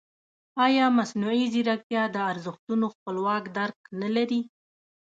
ایا مصنوعي ځیرکتیا د ارزښتونو خپلواک درک نه لري؟